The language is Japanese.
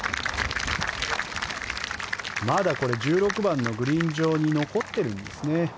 まだ１６番のグリーン上に残ってるんですね。